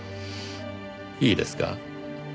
いいですか？